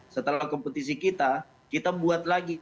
setelah kompetisi kita kita buat lagi